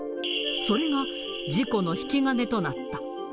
それが事故の引き金となった。